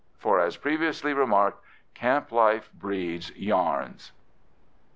For, as previously remarked, camp life breeds yarns.